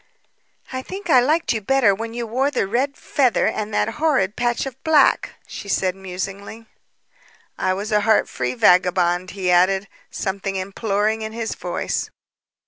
"I think I liked you better when you wore the red feather and that horrid patch of black," she said musingly. "And was a heart free vagabond," he added, something imploring in his voice.